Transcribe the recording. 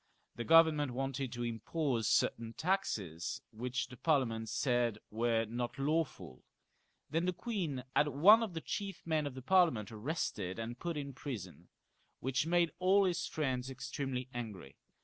The Government wanted to set up certain taxes, which the Parliament said Were not lawful ; then the queen had one of the chief men of the Parliament arrested and put in prison, which made all his friends extremely angry.